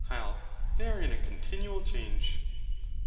HYL. They are in a continual change.